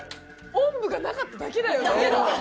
おんぶがなかっただけだよね？